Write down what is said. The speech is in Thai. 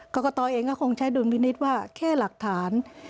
กรกตเองก็คงใช้ดุลวินิตว่าแค่หลักฐาน